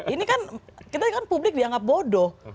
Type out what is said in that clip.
ini kan kita kan publik dianggap bodoh